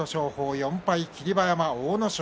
４敗は霧馬山、阿武咲。